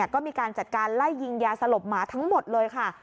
ก็มีการจัดการไล่ยิงยาสลบหมาทั้งหมดเลยค่ะ